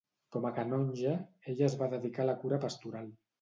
Com a canonge, ell es va dedicar a la cura pastoral.